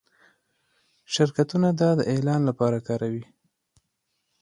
شرکتونه دا د اعلان لپاره کاروي.